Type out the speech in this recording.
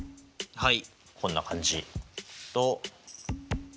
はい。